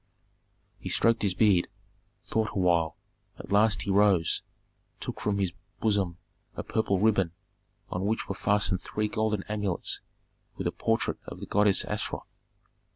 He stroked his beard, thought awhile; at last he rose, took from his bosom a purple ribbon on which were fastened three golden amulets with a portrait of the goddess Astaroth.